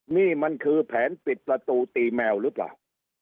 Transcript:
นี่มันคือแผนปิดประตูตีแมวหรือเปล่า